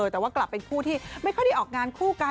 แต่ว่ากลับเป็นคู่ที่ไม่ค่อยได้ออกงานคู่กัน